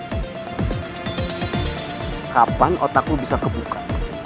sampai kapan otak lo bisa kebuka